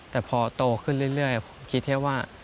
แต่พอโตขึ้นเรื่อยผมคิดแค่ว่า